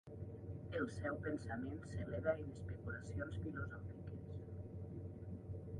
El seu pensament s'eleva en especulacions filosòfiques.